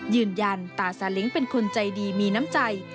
ยืนยันตาสาเล้งเป็นคนใจดีมีน้ำใจ